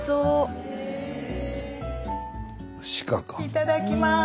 いただきます！